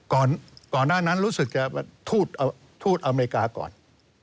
ก่อนหน้านั้นรู้สึกจะทูตอเมริกาก่อน